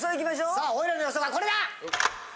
さあおいらの予想はこれだ！